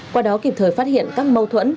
qua đó kịp thời phát hiện các mâu thuẫn